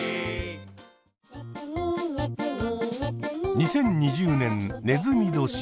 ２０２０年ねずみ年。